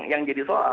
yang jadi soal